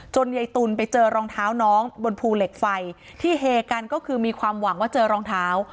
ยายตุ๋นไปเจอรองเท้าน้องบนภูเหล็กไฟที่เฮกันก็คือมีความหวังว่าเจอรองเท้า